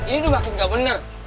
ini udah makin gak bener